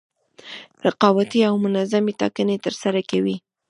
رقابتي او منظمې ټاکنې ترسره کوي.